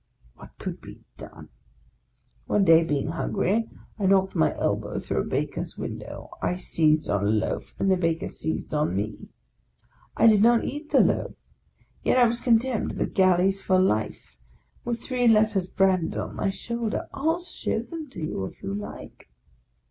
What could be done? One day being hungry, I knocked my elbow through a baker's window ; I seized on a loaf, and the baker seized on me. I did not eat the loaf, yet I was condemned to the Galleys for life, with three letters branded on my shoulder; I'll show them to you if ~you like.